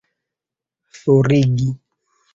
forigi